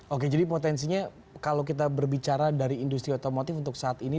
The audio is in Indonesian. oke jadi potensinya kalau kita berbicara dari industri otomotif untuk saat ini